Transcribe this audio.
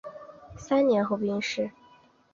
三年后病逝。